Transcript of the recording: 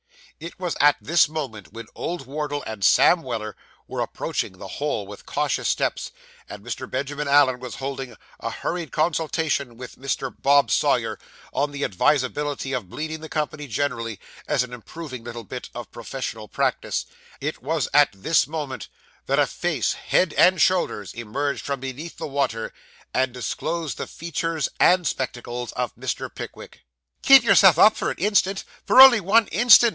It was at this moment, when old Wardle and Sam Weller were approaching the hole with cautious steps, and Mr. Benjamin Allen was holding a hurried consultation with Mr. Bob Sawyer on the advisability of bleeding the company generally, as an improving little bit of professional practice it was at this very moment, that a face, head, and shoulders, emerged from beneath the water, and disclosed the features and spectacles of Mr. Pickwick. 'Keep yourself up for an instant for only one instant!